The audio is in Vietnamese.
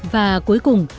và cuối cùng